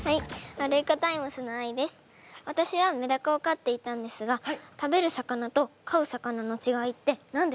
わたしはメダカを飼っていたんですが食べる魚と飼う魚の違いって何ですか？